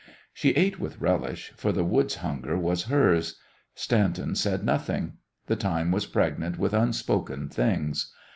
She ate with relish, for the woods hunger was hers. Stanton said nothing. The time was pregnant with unspoken things.